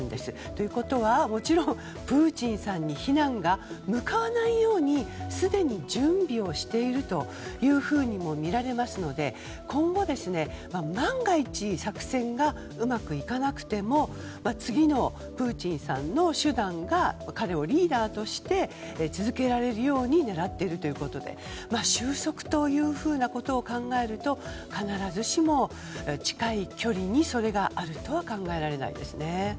ということは、もちろんプーチンさんに非難が向かわないようにすでに準備をしているというふうにもみられますので今後、万が一作戦がうまくいかなくても次のプーチンさんの手段が彼をリーダーとして続けられるように狙っているということで収束ということを考えると必ずしも近い距離にそれがあるとは考えられないですね。